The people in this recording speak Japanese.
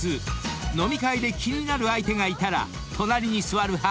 ［飲み会で気になる相手がいたら隣に座る派？